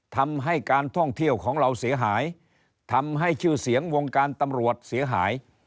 ทำให้การท่องเที่ยวของเราเสียหายทำให้ชื่อเสียงวงการตำรวจเสียหาย